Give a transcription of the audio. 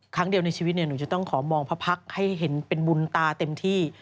ครั้งเดียวในชีวิตหนูจะต้องขอมองพระพักษ์ให้เห็นเป็นบุญตาเต็มที่